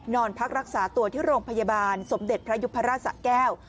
นอนพักรักษาตัวที่โรงพยาบาลสมเด็จพระยุพราชสะแก้ว